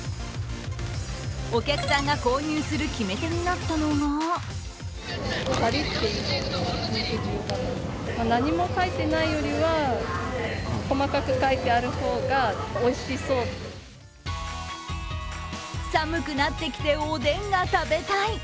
お客さんが購入する決め手になったのが寒くなってきて、おでんが食べたい！